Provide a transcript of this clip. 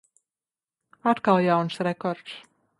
Atkal jauns rekords.